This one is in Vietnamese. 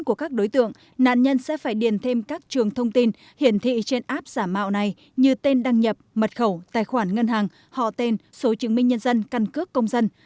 các đối tượng nạn nhân sẽ phải điền thêm các trường thông tin hiển thị trên app giả mạo này như tên đăng nhập mật khẩu tài khoản ngân hàng họ tên số chứng minh nhân dân căn cước công dân